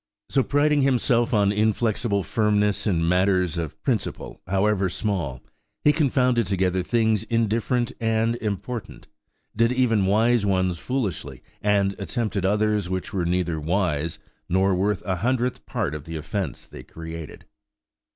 So, priding himself on an inflexible firmness in matters of "principle," however small, he confounded together things indifferent and important; did even wise ones foolishly. and attempted others which were neither wise, nor worth a hundredth part of the offence they created.